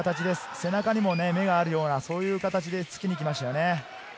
背中にも目があるような形で突きに行きました。